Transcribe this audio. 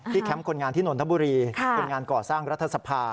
แคมป์คนงานที่นนทบุรีคนงานก่อสร้างรัฐสภา